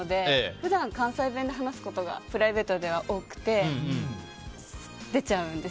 普段、関西弁で話すことがプライベートでは多くて出ちゃうんです。